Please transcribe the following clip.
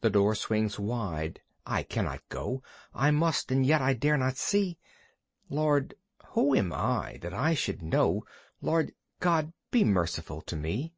The door swings wide I cannot go I must and yet I dare not see. Lord, who am I that I should know Lord, God, be merciful to me!